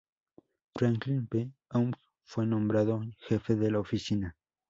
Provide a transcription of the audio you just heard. Franklin B. Hough fue nombrado jefe de la oficina.